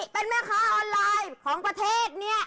เป็นแม่ค้าออนไลน์ของประเทศเนี่ย